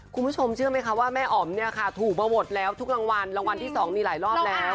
คุณผู้ชมเชื่อไหมคะว่าแม่อ๋อมเนี่ยค่ะถูกมาหมดแล้วทุกรางวัลรางวัลที่๒มีหลายรอบแล้ว